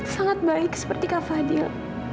sangat baik seperti kak fadil